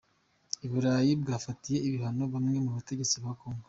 U Burayi bwafatiye ibihano bamwe mu bategetsi ba Kongo .